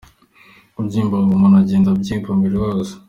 Kubyimbagana: umuntu agenda abyimba umubiri wose.